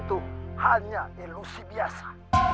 itu hanya ilusi biasa